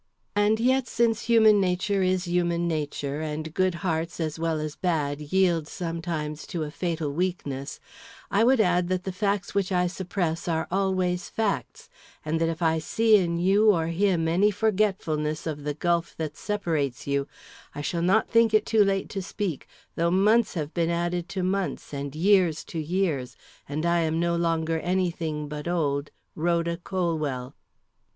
And yet since human nature is human nature, and good hearts as well as bad yield sometimes to a fatal weakness, I would add that the facts which I suppress are always facts, and that if I see in you or him any forgetfulness of the gulf that separates you, I shall not think it too late to speak, though months have been added to months, and years to years, and I am no longer any thing but old RHODA COLWELL.